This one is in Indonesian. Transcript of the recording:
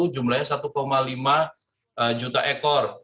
jumlahnya satu lima juta ekor